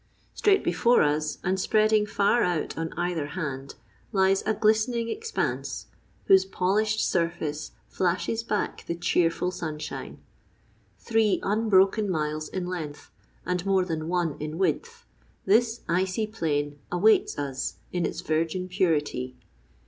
Straight before us, and spreading far out on either hand, lies a glistening expanse, whose polished surface flashes back the cheerful sunshine. Three unbroken miles in length, and more than one in width, this icy plain awaits us in its virgin purity.